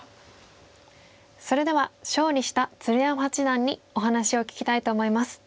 それでは勝利した鶴山八段にお話を聞きたいと思います。